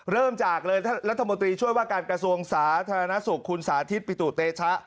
เริ่มจากเลยรัฐมนตรีช่วยว่าการกระทรวงสาธารณสุขคุณสาธิตปิตุเตชะ